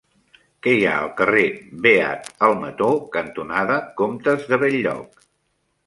Què hi ha al carrer Beat Almató cantonada Comtes de Bell-lloc?